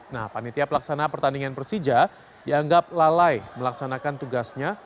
nah panitia pelaksana pertandingan persija dianggap lalai melaksanakan tugasnya